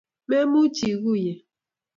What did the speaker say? Memuchi iguiye